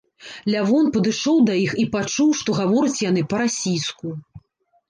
Лявон падышоў да іх і пачуў, што гавораць яны па-расійску.